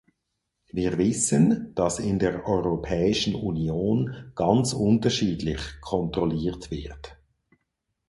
Wir wissen, dass in der Europäischen Union ganz unterschiedlich kontrolliert wird.